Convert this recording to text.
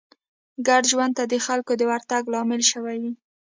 ګډ ژوند ته د خلکو د ورتګ لامل شوې وي